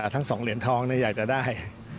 ทั้ง๒เหรียญทองอยากจะได้